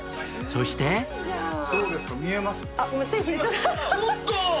そしてちょっと！